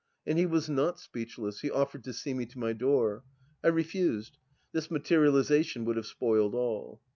And he was not speechless ; he offered to see me to my door. I refused. This materializa tion would have spoiled all.